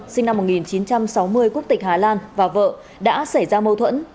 sinh năm một nghìn chín trăm sáu mươi quốc tịch hà lan và vợ đã xảy ra mâu thuẫn